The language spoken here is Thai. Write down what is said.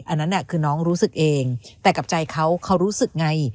อันนั้นคือน้องรู้สึกเองแต่กับใจเขาเขารู้สึกไง